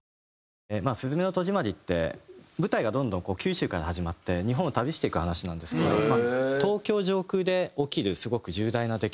まあ『すずめの戸締まり』って舞台がどんどんこう九州から始まって日本を旅していく話なんですけど東京上空で起きるすごく重大な出来事のシーンです。